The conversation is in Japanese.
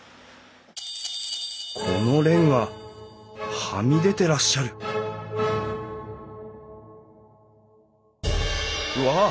このレンガはみ出てらっしゃるうわっ！